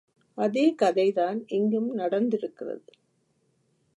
அதே கதை தான் இங்கும் நடந்திருக்கிறது.